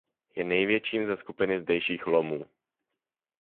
Je největším ze skupiny zdejších lomů.